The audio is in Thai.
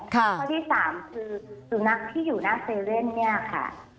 ข้อที่๓คือสุนัขที่อยู่หน้าเซเว่นเนี่ยค่ะ